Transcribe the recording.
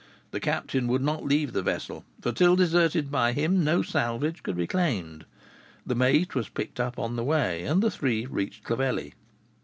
The captain would not leave the vessel; for, till deserted by him, no salvage could be claimed. The mate was picked up on the way, and the three reached Clovelly.